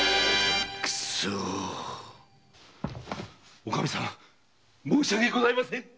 おカミさん申し訳ございません。